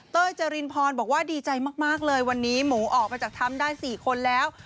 เจรินพรบอกว่าดีใจมากเลยวันนี้หมูออกมาจากถ้ำได้๔คนแล้ว